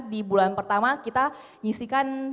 di bulan pertama kita